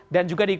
dan juga dikira